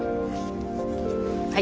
はい。